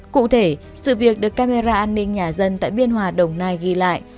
cụ thể sự việc được camera an ninh nhà dân tại biên hòa đồng nai ghi lại